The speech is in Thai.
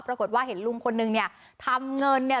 ปรากฏว่าเห็นลุงคนนึงเนี่ยทำเงินเนี่ย